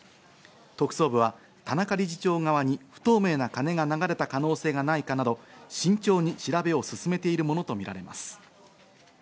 特捜部は田中理事長側に不透明な金が流れた可能性がないかなど慎重に調べを進めているものとみられます。